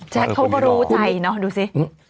เขาก็รู้ใจเนอะดูสิ